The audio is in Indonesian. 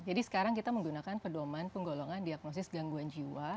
jadi sekarang kita menggunakan pedoman penggolongan diagnosis gangguan jiwa